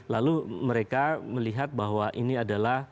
lalu mereka melihat bahwa ini adalah